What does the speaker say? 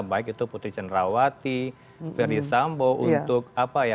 baik itu putri jenrawati ferdie sambo untuk apa ya